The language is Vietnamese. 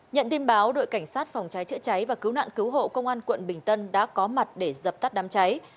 nhận tin báo đội cảnh sát phòng cháy chữa cháy và cứu nạn cứu hộ công an quận bình tân đã có mặt để dập tắt đám cháy